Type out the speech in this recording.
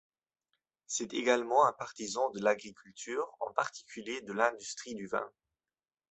C'est également un partisan de l'agriculture, en particulier de l'industrie du vin.